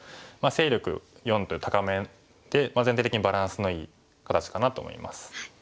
勢力４という高めで全体的にバランスのいい形かなと思います。